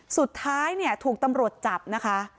สุดท้ายเนี่ยถูกตำรวจจับนะคะ